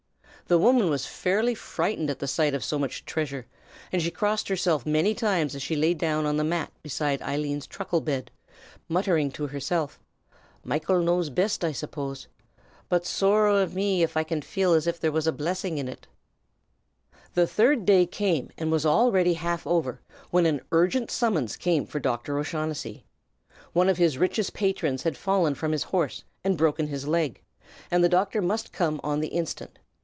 The woman was fairly frightened at the sight of so much treasure, and she crossed herself many times as she lay down on the mat beside Eileen's truckle bed, muttering to herself, "Michael knows bist, I suppose; but sorrow o' me if I can feel as if there was a blissing an it, ava'!" The third day came, and was already half over, when an urgent summons came for Doctor O'Shaughnessy. One of his richest patrons had fallen from his horse and broken his leg, and the doctor must come on the instant.